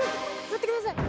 待ってください。